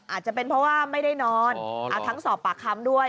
อาจจะเป็นเพราะว่าไม่ได้นอนทั้งสอบปากคำด้วย